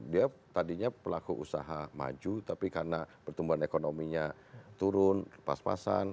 dia tadinya pelaku usaha maju tapi karena pertumbuhan ekonominya turun pas pasan